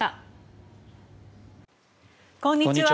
こんにちは。